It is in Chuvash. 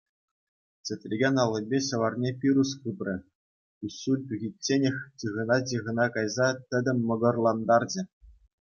Чӗтрекен аллипе ҫӑварне пирус хыпрӗ, куҫҫуль тухичченех чыхӑна-чыхӑна кайса тӗтӗм мӑкӑрлантарчӗ.